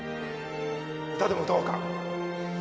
歌でも歌おうか？